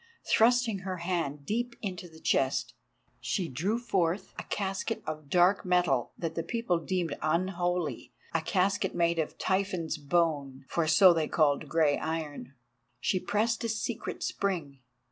Thrusting her hand deep into the chest, she drew forth a casket of dark metal that the people deemed unholy, a casket made of "Typhon's Bone," for so they call grey iron. She pressed a secret spring.